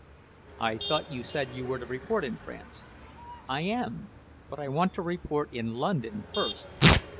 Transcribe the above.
"I thought you said you were to report in France." "I am. But I want to report in London first."